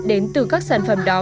đến từ các sản phẩm đó